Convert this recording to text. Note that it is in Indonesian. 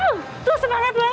wow tuh semangat banget